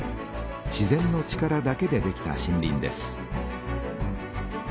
自然の力だけでできた森林です。